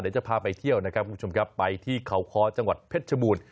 เดี๋ยวจะพาไปเที่ยวนะครับคุณผู้ชมครับไปที่เขาคอจังหวัดเพชรชบูรณ์